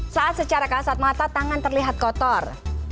saat secara kasat mata tangan terlihat kotor